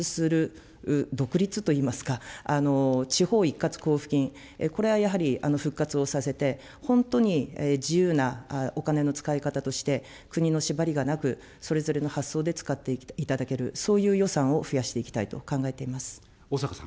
そういう意味では、国から独立する、独立といいますか、地方一括交付金、これはやはり復活をさせて、本当に自由なお金の使い方として、国の縛りがなく、それぞれの発想で使っていただける、そういう予算を増やしていきたいと考えています。